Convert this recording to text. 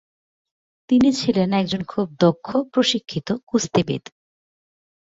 তিনি ছিলেন একজন খুব দক্ষ প্রশিক্ষিত কুস্তিবিদ ছিলেন।